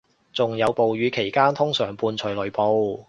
仲有暴雨期間通常伴隨雷暴